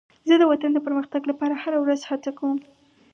زه د وطن د پرمختګ لپاره هره ورځ هڅه کوم.